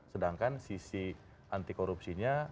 sedangkan sisi anti korupsinya